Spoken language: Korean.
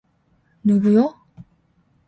누구요?